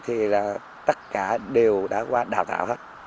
thì là tất cả đều đã qua đào tạo hết